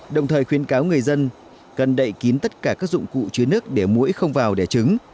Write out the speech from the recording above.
đồng thời khuyến cáo người dân cần đậy kín tất cả các dụng cụ chứa nước để mũi không vào đẻ trứng